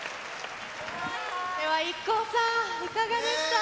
ではＩＫＫＯさん、いかがでした？